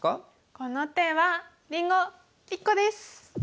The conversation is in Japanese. この手はりんご１個です！